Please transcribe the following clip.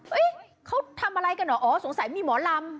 เออเฮ้ยเขาทำอะไรกันหรออ๋อสงสัยมีหมอลำ